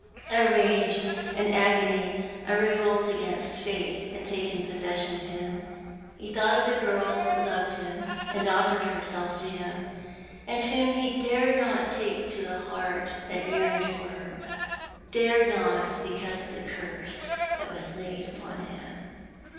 A rage, an agony, a revolt against Fate had taken possession of him. He thought of the girl who loved him and offered herself to him, and whom he dared not take to the heart that yearned for her — dared not because of the curse that was laid upon him.